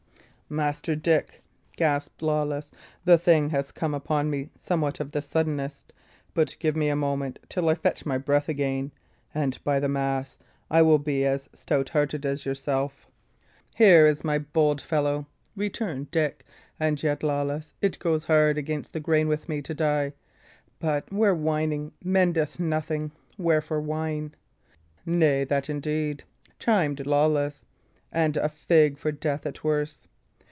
"Master Dick," gasped Lawless, "the thing hath come upon me somewhat of the suddenest. But give me a moment till I fetch my breath again; and, by the mass, I will be as stout hearted as yourself." "Here is my bold fellow!" returned Dick. "And yet, Lawless, it goes hard against the grain with me to die; but where whining mendeth nothing, wherefore whine?" "Nay, that indeed!" chimed Lawless. "And a fig for death, at worst!